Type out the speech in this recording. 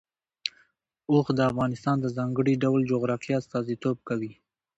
اوښ د افغانستان د ځانګړي ډول جغرافیه استازیتوب کوي.